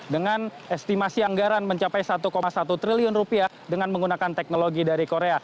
dengan estimasi anggaran mencapai satu satu triliun dengan menggunakan teknologi dari korea